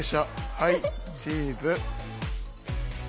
はいチーズ！